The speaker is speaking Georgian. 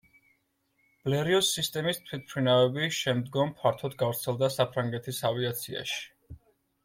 ბლერიოს სისტემის თვითმფრინავები შემდგომ ფართოდ გავრცელდა საფრანგეთის ავიაციაში.